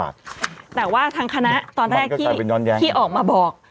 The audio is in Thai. แต่ว่าทางคณะตอนแรกที่ออกมาบอก